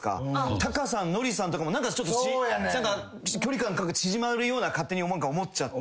タカさんノリさんとかも何か距離感縮まるような勝手に思っちゃって。